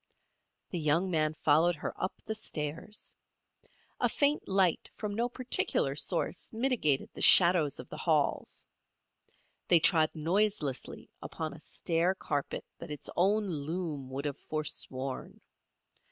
The young man followed her up the stairs. A faint light from no particular source mitigated the shadows of the halls. They trod noiselessly upon a stair carpet that its own loom would have forsworn.